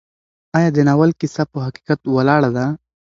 ایا د ناول کیسه په حقیقت ولاړه ده؟